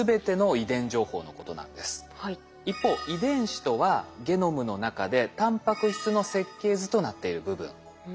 一方遺伝子とはゲノムの中でたんぱく質の設計図となっている部分。